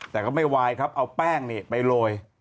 แต่ก็ไม่วายครับเอาแป้งนี่ไปโรย